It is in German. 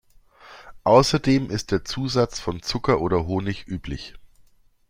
Außerdem ist der Zusatz von Zucker oder Honig üblich.